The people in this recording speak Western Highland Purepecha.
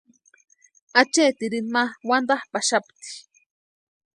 Acheetirini ma wantapʼaxapti.